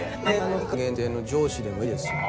期間限定の上司でもいいですし。